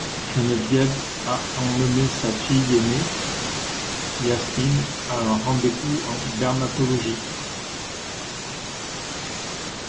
Geneviève a emmené sa fille aînée, Yasmine, à un rendez-vous en dermatologie.